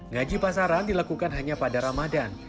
ngaji pasaran dilakukan hanya pada ramadan